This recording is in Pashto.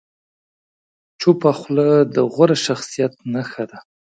چپه خوله، د غوره شخصیت نښه ده.